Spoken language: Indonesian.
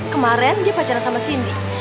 kemaren dia pacaran sama cindy